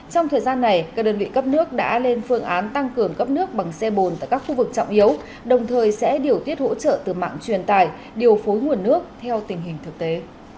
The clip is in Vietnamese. trong thời gian này các đơn vị cấp nước đã lên phương án tăng cường cấp nước bằng xe bồn tại các khu vực trọng yếu đồng thời sẽ điều tiết hỗ trợ từ mạng truyền tài điều phối nguồn nước theo tình hình thực tế